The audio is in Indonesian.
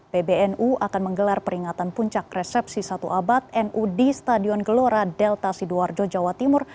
pbnu akan menggelar peringatan puncak resepsi satu abad nu di stadion gelora delta sidoarjo jawa timur